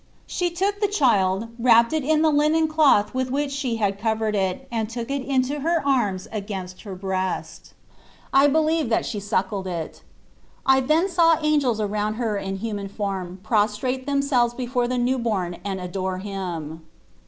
She took the child, wrapped it in the linen cloth with which she had covered it, and took it in her arms against her breast. I be lieve that she suckled it. I then saw angels around her in human form pros trate themselves before the new born and adore Him.